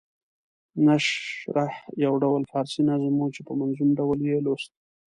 نشرح یو ډول فارسي نظم وو چې په منظوم ډول یې لوست.